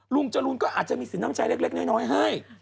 ลุงจรูนก็อาจจะมีสีน้ำชายเล็กน้อยให้